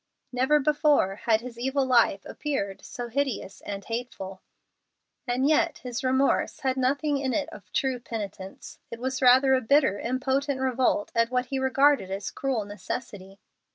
Never before had his evil life appeared so hideous and hateful. And yet his remorse had nothing in it of true penitence. It was rather a bitter, impotent revolt at what he regarded as cruel necessity.